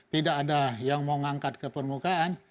tidak ada yang mau ngangkat ke permukaan